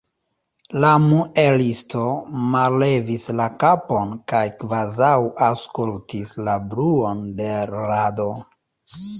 La muelisto mallevis la kapon kaj kvazaŭ aŭskultis la bruon de l' rado.